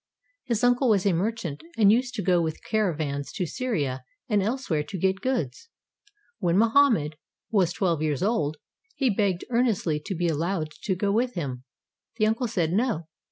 His uncle was a merchant and used to go with caravans to Syria and elsewhere to get goods. When Mohammed 493 ARABIA was twelve years old, he begged earnestly to be allowed to go with him. The uncle said "No."